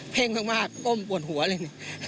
เพลงมากก้มปวดหัวเลย